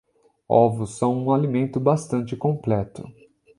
Ovos são um alimento bastante completo